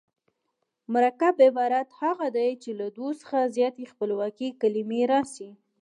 مرکب عبارت هغه دﺉ، چي له دوو څخه زیاتي خپلواکي کلیمې راسي.